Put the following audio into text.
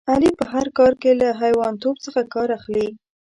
علي په هر کار کې له حیوانتوب څخه کار اخلي.